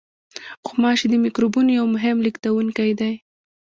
غوماشې د میکروبونو یو مهم لېږدوونکی دي.